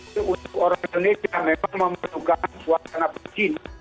itu untuk orang indonesia memang membutuhkan suasana bersih